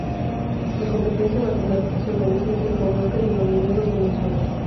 La competencia matemática se organiza en cinco bloques, denominados dimensiones.